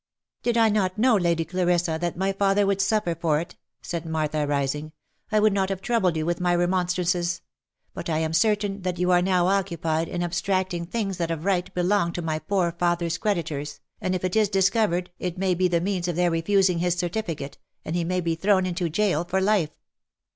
" Did I not know, Lady Clarissa, that my father would suffer for it," said Martha rising, " I would not have troubled you with my remon strances ; but I am certain that you are now occupied in abstracting things that of right belong to my poor father's creditors, and if it is discovered, it may be the means of their refusing his certificate, and he may be thrown into a jail for life."